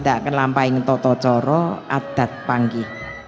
tidak kenlampain toto coro adat panggi